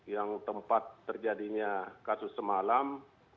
yang tempat terjadinya kasus semalam